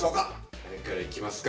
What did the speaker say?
誰からいきますか。